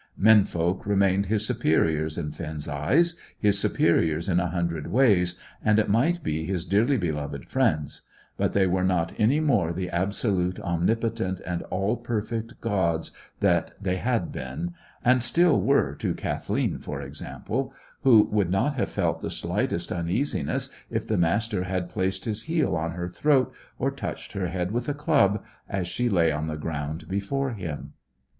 Men folk remained his superiors in Finn's eyes, his superiors in a hundred ways, and it might be his dearly loved friends; but they were not any more the absolute, omnipotent, and all perfect gods that they had been, and still were to Kathleen, for example, who would not have felt the slightest uneasiness if the Master had placed his heel on her throat, or touched her head with a club, as she lay on the ground before him.